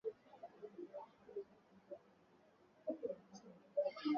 Mahitaji ya kuchemshia viazi lishe